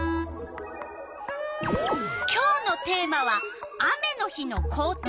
今日のテーマは「雨の日の校庭」。